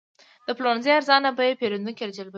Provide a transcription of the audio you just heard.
د پلورنځي ارزانه بیې پیرودونکي راجلبوي.